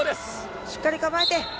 しっかり構えて。